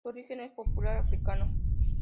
Su origen es popular africano.